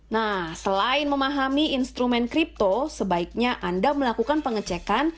nah selain memahami instrumen kripto sebaiknya anda melakukan pengecekan